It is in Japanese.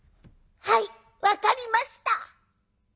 「はい分かりました」。